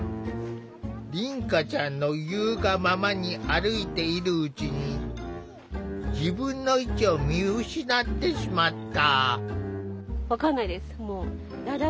凛花ちゃんの言うがままに歩いているうちに自分の位置を見失ってしまった。